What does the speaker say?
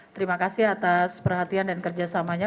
terima kasih atas perhatian dan kerjasamanya